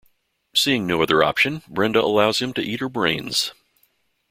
Seeing no other option, Brenda allows him to eat her brains.